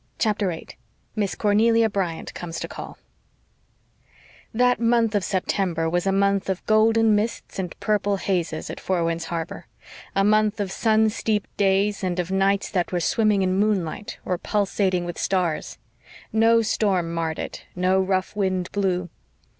CHAPTER 8 MISS CORNELIA BRYANT COMES TO CALL That September was a month of golden mists and purple hazes at Four Winds Harbor a month of sun steeped days and of nights that were swimming in moonlight, or pulsating with stars. No storm marred it, no rough wind blew.